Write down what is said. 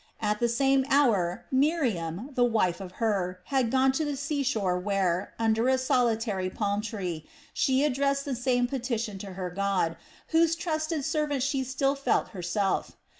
At the same hour Miriam, the wife of Hur, had gone to the sea shore where, under a solitary palmtree, she addressed the same petition to her God, whose trusted servant she still felt herself.